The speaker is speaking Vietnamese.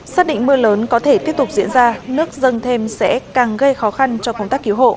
xác định mưa lớn có thể tiếp tục diễn ra nước dâng thêm sẽ càng gây khó khăn cho công tác cứu hộ